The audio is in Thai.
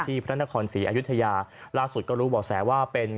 ที่พระนักภรรณาของสีอยุธยาล่าสุดก็รู้หมอกแสว่าเป็น